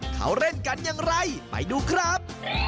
เขาเล่นกันอย่างไรไปดูครับ